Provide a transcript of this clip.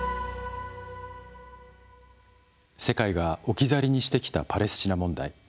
世界が置き去りにしてきたパレスチナ問題。